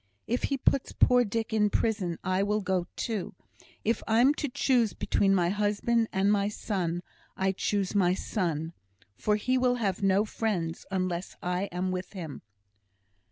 If he puts poor Dick in prison, I will go too. If I'm to choose between my husband and my son, I choose my son; for he will have no friends, unless I am with him."